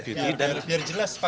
biar jelas pak deputi